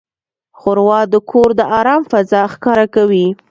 ښوروا د کور د آرام فضا ښکاره کوي.